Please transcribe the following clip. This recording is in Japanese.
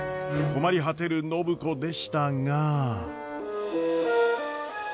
困り果てる暢子でしたが。